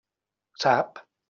Sap?